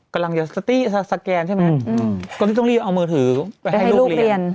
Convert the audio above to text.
กำลังจะสติสแกนใช่ไหมก็เลยต้องรีบเอามือถือไปให้ลูกเรียน